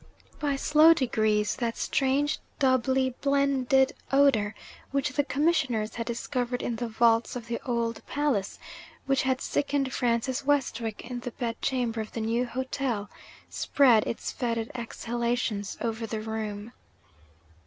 By slow degrees, that strange doubly blended odour, which the Commissioners had discovered in the vaults of the old palace which had sickened Francis Westwick in the bed chamber of the new hotel spread its fetid exhalations over the room.